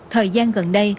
thời gian gần đây